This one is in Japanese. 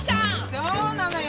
そうなのよ。